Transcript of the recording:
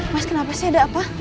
mas kenapa sih ada apa